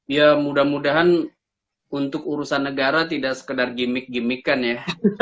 ya mudah mudahan untuk urusan negara tidak sekedar gimmick gimmikan ya